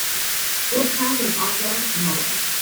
It was cast in Oslo, Norway.